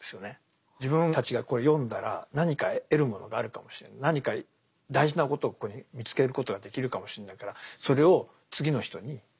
自分たちが読んだら何か得るものがあるかもしれない何か大事なことをここに見つけることができるかもしれないからそれを次の人に。